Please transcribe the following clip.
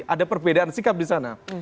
ada perbedaan sikap di sana